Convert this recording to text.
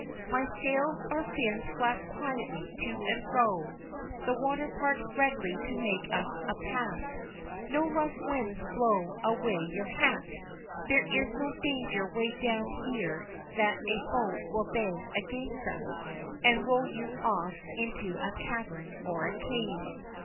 My sails or fins flap quietly to and fro, the water parts readily to make us a path, no rough winds blow away your hat, there is no danger way down here that a boat will bang against us, and roll you off into a cavern or a cave.